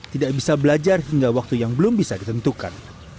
tidak bisa belajar hingga waktu yang belum bisa ditentukan